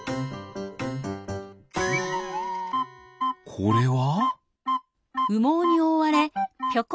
これは？